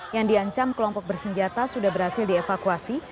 yang diancam kelompok bersenjata sudah berhasil dievakuasi